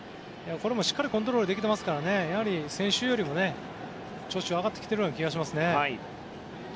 これもしっかりコントロールできていますから先週よりも調子が上がってきている気がしますね。